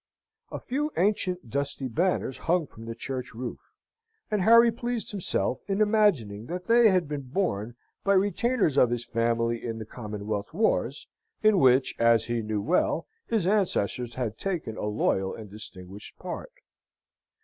A few ancient dusty banners hung from the church roof; and Harry pleased himself in imagining that they had been borne by retainers of his family in the Commonwealth wars, in which, as he knew well, his ancestors had taken a loyal and distinguished part.